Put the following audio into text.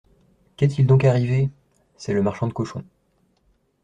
«Qu'est-il donc arrivé ?, C'est le marchand de cochons.